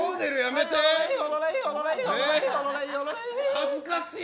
恥ずかしい！